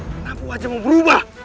kenapa wajahmu berubah